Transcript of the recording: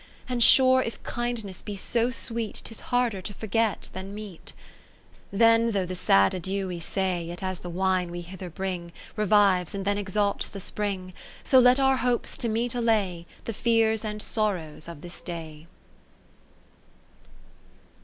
And sure, if kindness be so sweet 'Tis harder to forget than meet. VI Then though the sad adieu we say. Yet as the wine we hither bring. Revives, and then exalts the spring : So let our hopes to meet allay The fears and sorrows of this day.